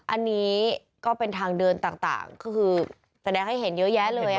อันนี้ก็เป็นทางเดินต่างก็คือแสดงให้เห็นเยอะแยะเลย